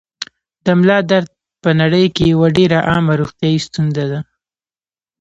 د ملا درد په نړۍ کې یوه ډېره عامه روغتیايي ستونزه ده.